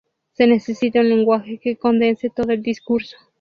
Se necesita un lenguaje que condense todo el discurso